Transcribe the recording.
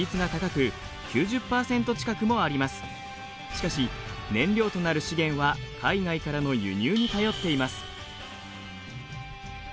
しかし燃料となる資源は海外からの輸入に頼っています。